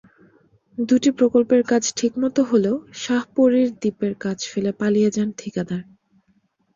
দুটি প্রকল্পের কাজ ঠিকমতো হলেও শাহপরীর দ্বীপের কাজ ফেলে পালিয়ে যান ঠিকাদার।